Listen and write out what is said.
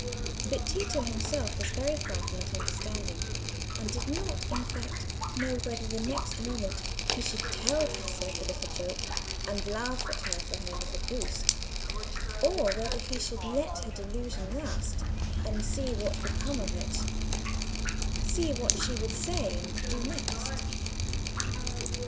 But Tito himself was very far from that understanding, and did not, in fact, know whether, the next moment, he should tell Tessa of the joke and laugh at her for a little goose, or whether he should let her delusion last, and see what would come of it—see what she would say and do next.